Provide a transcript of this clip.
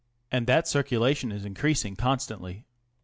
And that circulation is increasing constantly.